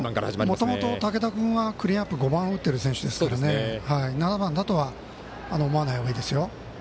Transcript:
もともと武田君はクリーンアップ５番を打っている選手ですから７番だとは思わないほうがいいですよ。